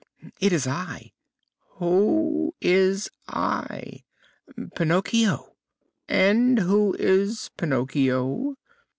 "It is I." "Who is I?" "Pinocchio." "And who is Pinocchio?"